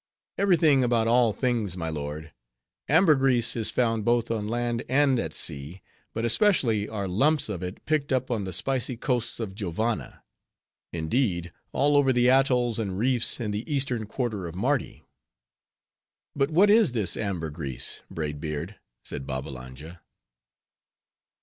"Every thing about all things, my lord. Ambergris is found both on land and at sea. But especially, are lumps of it picked up on the spicy coasts of Jovanna; indeed, all over the atolls and reefs in the eastern quarter of Mardi." "But what is this ambergris? Braid Beard," said Babbalanja.